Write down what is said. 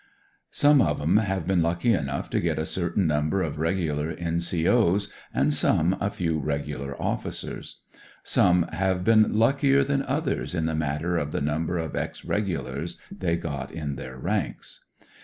Some of 'em have been lucky enough to get a certain nimiber of Regular N.C.O.'s, and some a few Regular officers. Some have been luckier than others in the matter of the number of ex Regulars they got in their ranks.